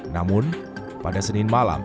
namun pada senin malam